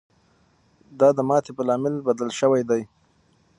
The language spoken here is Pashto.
دا د ماتې په عامل بدل شوی دی.